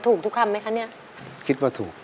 สิบนิ้วผนมและโกมลงคราบ